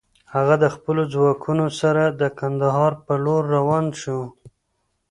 هغه د خپلو ځواکونو سره د کندهار پر لور روان شو.